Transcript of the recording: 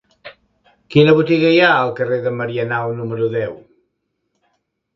Quina botiga hi ha al carrer de Marianao número deu?